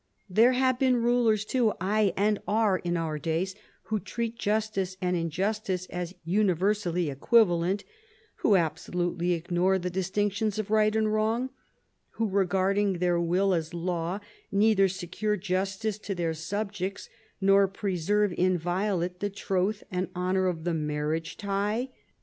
" There have been rulers too, aye, and are in our days, who treat justice and injustice as universally equivalent, who absolutely ignore the distinctions of right and wrong, who, regarding their will as law, neither secure justice to their subjects, nor preserve inviolate the troth and honour of the marriage tie.